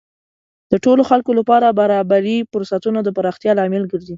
د ټولو خلکو لپاره برابرې فرصتونه د پراختیا لامل ګرځي.